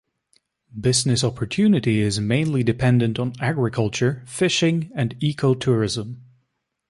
Business opportunity is mainly dependent on agriculture, fishing, and eco-tourism.